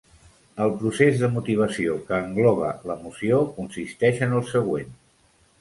El procés de motivació, que engloba l'emoció, consisteix en el següent: